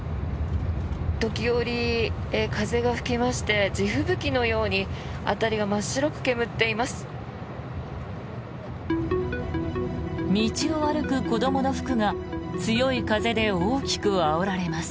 時折、風が吹きまして地吹雪のように辺りは真っ白く煙っています。